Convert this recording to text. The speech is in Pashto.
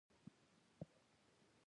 د مکې شریف زامنو څخه وو.